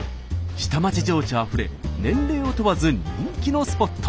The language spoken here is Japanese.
下町情緒あふれ年齢を問わず人気のスポット。